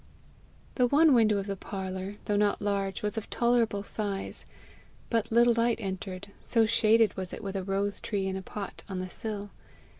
The one window of the parlour, though not large, was of tolerable size; but little light entered, so shaded was it with a rose tree in a pot on the sill.